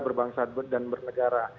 berbangsa dan bernegara